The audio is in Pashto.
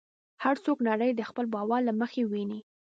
هر څوک نړۍ د خپل باور له مخې ویني.